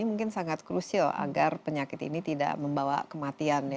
mungkin sangat krusial agar penyakit ini tidak membawa kematian